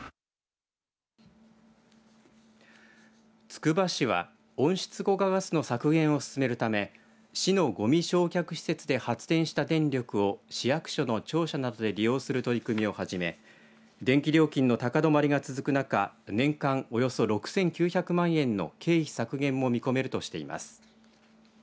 つくば市は、温室効果ガスの削減を進めるため市のごみ焼却施設で発電した電力を市役所の庁舎などで利用する取り組みを始め電気料金の高止まりが続く中年間およそ６９００万円の経費削減も見込めるとしています。